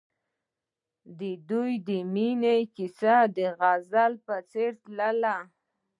د دوی د مینې کیسه د غزل په څېر تلله.